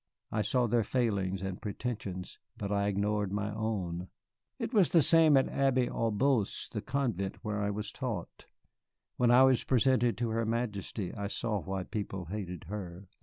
I saw their failings and pretensions, but I ignored my own. It was the same at Abbaye aux Bois, the convent where I was taught. When I was presented to her Majesty I saw why people hated her.